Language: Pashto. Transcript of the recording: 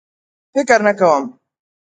فکر نه کوم.